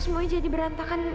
semuanya jadi berantakan